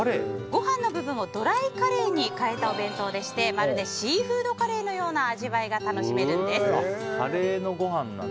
ご飯の部分をドライカレーに変えたお弁当でしてまるでシーフードカレーのような味わいが楽しめるんです。